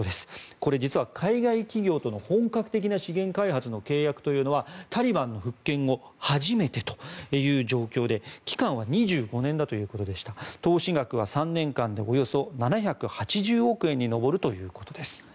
これ、実は海外企業との本格的な資源開発の契約というのはタリバン復権後初めてという状況で期間は２５年ということで投資額は３年間でおよそ７８０億円に上るということです。